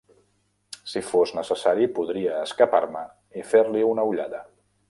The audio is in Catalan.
Si fos necessari, podria escapar-me i fer-li una ullada.